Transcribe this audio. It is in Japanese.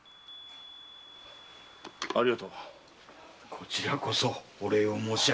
こちらこそお礼を申し上げる。